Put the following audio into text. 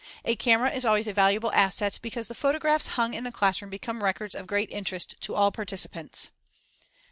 A camera is always a valuable asset because the photographs hung in the classroom become records of great interest to all participants.